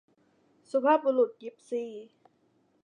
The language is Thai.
สุภาพบุรุษยิปซี